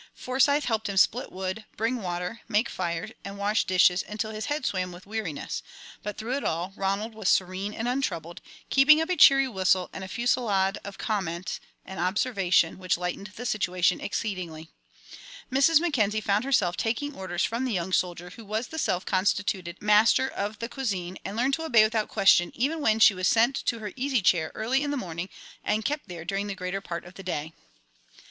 Forsyth helped him split wood, bring water, make fires, and wash dishes until his head swam with weariness; but through it all, Ronald was serene and untroubled, keeping up a cheery whistle and a fusillade of comment and observation which lightened the situation exceedingly. Mrs. Mackenzie found herself taking orders from the young soldier who was the self constituted master of the cuisine, and learned to obey without question, even when she was sent to her easy chair early in the morning and kept there during the greater part of the day.